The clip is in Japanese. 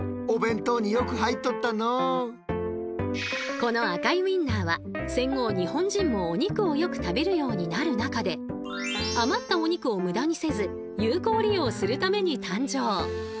この赤いウインナーは戦後日本人もお肉をよく食べるようになる中であまったお肉を無駄にせず有効利用するために誕生。